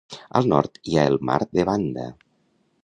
Al nord hi ha el mar de Banda.